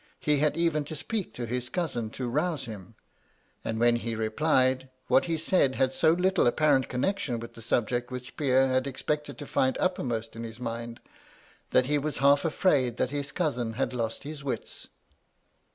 He had even to speak to his cousin to rouse him ; and when he replied, what he said had so little apparent connection with the subject which Pierre had expected to find uppermost in his mind, that he was half afraid that his cousin had lost his wits.